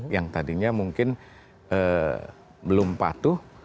yang tadinya mungkin belum patuh